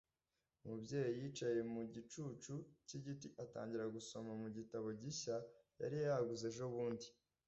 Umubyeyi yicaye mu gicucu cy'igiti atangira gusoma mu gitabo gishya yari yaguze ejobundi.